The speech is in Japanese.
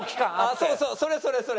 そうそうそれそれそれ。